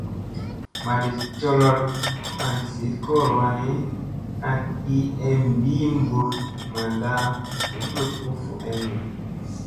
Madi colool an tliɗ kolo wani, an i em ɓii mɓutl manda zubluɗ u fu eŋga.